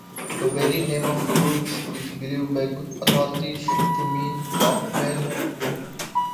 The very name of Druids is believed by good authorities to mean "oak men".